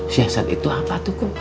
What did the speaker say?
siasat itu apa tuh